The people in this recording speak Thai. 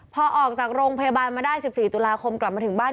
พอออกจากโรงพยาบาลมาได้๑๔ตุลาคมกลับมาถึงบ้าน